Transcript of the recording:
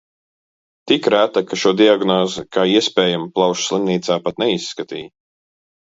Tik reta, ka šo diagnozi kā iespējamu plaušu slimnīcā pat neizskatīja.